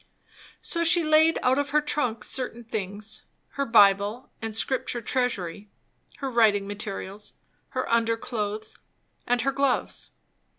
So she laid out of her trunk certain things; her Bible and Scripture Treasury; her writing materials; her underclothes; and her gloves.